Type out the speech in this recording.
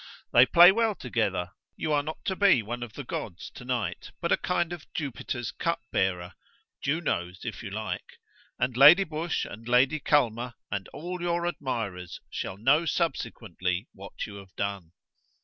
They play well together. You are not to be one of the gods to night, but a kind of Jupiter's cup bearer; Juno's, if you like; and Lady Busshe and Lady Culmer, and all your admirers shall know subsequently what you have done.